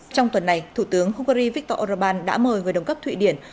trong tuần này thủ tướng hungary viktor orbán đã mời người đồng cấp thụy điển